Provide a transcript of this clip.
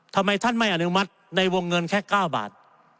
ทำไมท่านไม่อนุมัติในวงเงินแค่๙บาท